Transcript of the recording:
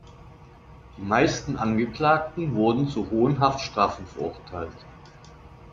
Die meisten Angeklagten wurden zu hohen Haftstrafen verurteilt.